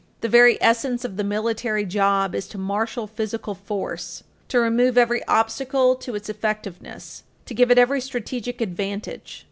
The very essence of the military job is to marshal physical force, to remove every obstacle to its effectiveness, to give it every strategic advantage.